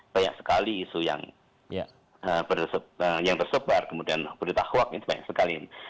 banyak sekali isu yang bersebar kemudian berita khuat itu banyak sekali